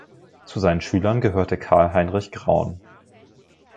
Zu seinen Schülern gehörte Carl Heinrich Graun.